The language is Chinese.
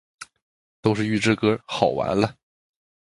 都是预制歌，好完了